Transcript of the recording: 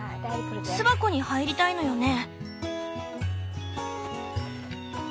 巣箱に入りたいのよね？